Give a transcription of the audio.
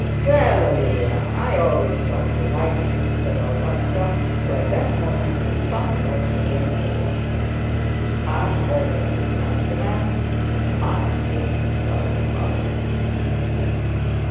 'Well, Olivia, I always thought you liked him,' said Augusta, who at that moment had some grudge against her sister. 'I always disliked the man because I think him thoroughly vulgar.'